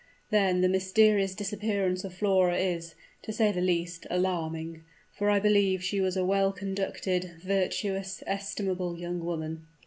Then the mysterious disappearance of Flora is, to say the least, alarming, for I believe she was a well conducted, virtuous, estimable young woman."